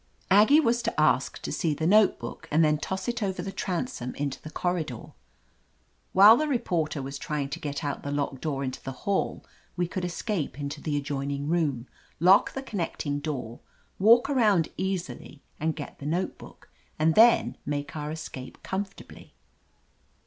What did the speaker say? Aggie was to ask to see the notebook and then toss it over the transom into the corridor. While the reporter was trying to get out the locked door into the hall we could escape into the adjoining room, lock the connecting door, walk around easily and get the notebook, and then make our escape comfortably.